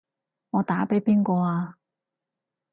我打畀邊個啊？